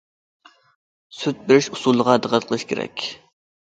سۈت بېرىش ئۇسۇلىغا دىققەت قىلىش كېرەك.